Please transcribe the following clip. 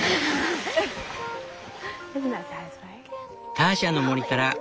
「ターシャの森から」。